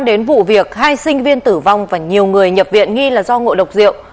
về vụ việc hai sinh viên tử vong và nhiều người nhập viện nghi là do ngộ độc diệu